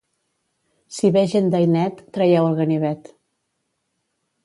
Si ve gent d'Ainet, traieu el ganivet.